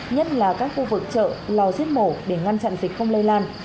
nhất là các khu vực chợ lò giết mổ để ngăn chặn dịch không lây lan